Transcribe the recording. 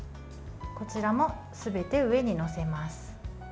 こちらも、すべて上に載せます。